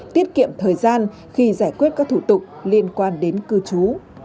tiết kiệm thời gian khi giải quyết các thủ tục liên quan đến cư trú